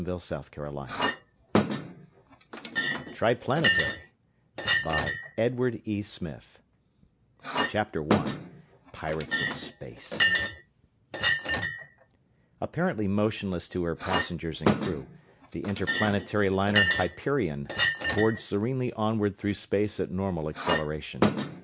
Illustrated by MOREY CHAPTER I Pirates of Space Apparently motionless to her passengers and crew, the Interplanetary liner Hyperion bored serenely onward through space at normal acceleration.